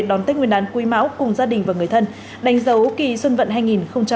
đón tết nguyên đán quý mão cùng gia đình và người thân đánh dấu kỳ xuân vận hai nghìn hai mươi